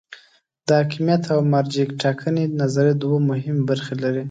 د حاکمیت او مرجع ټاکنې نظریه دوه مهمې برخې لري.